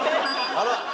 あら。